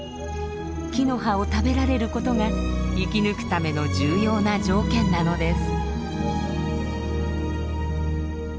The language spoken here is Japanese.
木の葉を食べられることが生き抜くための重要な条件なのです。